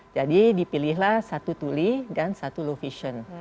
jadi dipilihlah satu tuli dan satu low vision